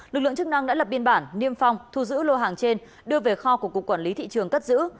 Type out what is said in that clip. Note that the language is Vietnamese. lực lượng chức năng đã lập biên bản niêm phong thu giữ lô hàng trên đưa về kho của cục quản lý thị trường cất giữ